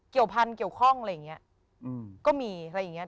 เกี่ยวพันเกี่ยวข้องอะไรอย่างเงี้ยก็มีอะไรอย่างเงี้ย